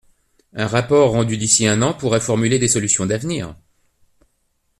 Un rapport rendu d’ici un an pourrait formuler des solutions d’avenir.